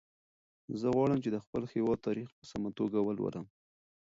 زه غواړم چې د خپل هېواد تاریخ په سمه توګه ولولم.